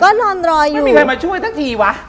ก็นอนรออยู่ไม่มีใครมาช่วยสักทีวะ